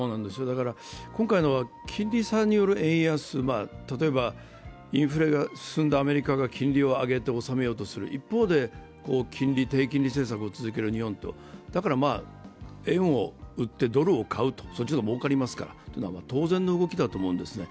今回のは金利差による円安、例えばインフレが進んだアメリカが金利を上げて収めようとする一方で、低金利政策を続ける日本とだから、円を売ってドルを買う、そっちの方がもうかりますから、というのは当然の動きだと思うんですね。